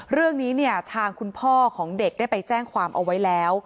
เรื่องนี้เนี่ยทางคุณพ่อของเด็กได้ไปแจ้งความเอาไว้แล้ว